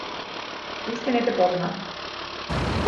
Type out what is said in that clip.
Уште не те познава.